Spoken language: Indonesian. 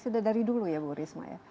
sudah dari dulu ya bu risma ya